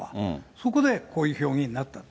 そこでこういう表現になったと。